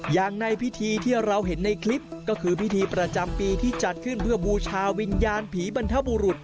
อย่างในพิธีที่เราเห็นในคลิปก็คือพิธีประจำปีที่จัดขึ้นเพื่อบูชาวิญญาณผีบรรทบุรุษ